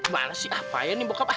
mana sih apaan ya nih bokap ah